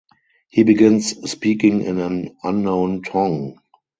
He begins speaking in an unknown tongue.